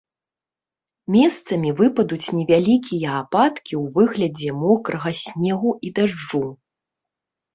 Месцамі выпадуць невялікія ападкі ў выглядзе мокрага снегу і дажджу.